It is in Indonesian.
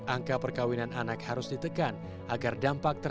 angka perkawinan anak harus diperlukan secara masif